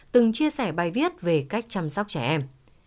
từng chia sẻ bài viết về cách chăm sóc trẻ em